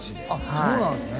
そうなんです